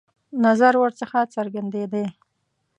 نظر ورڅخه څرګندېدی.